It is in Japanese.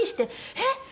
えっ！